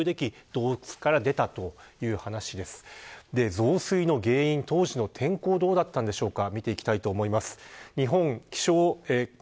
増水の原因、当時の天候はどうだったんでしょうか。